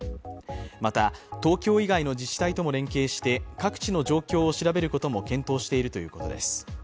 また、東京以外の自治体とも連携して各地の状況を調べることも検討しているということです。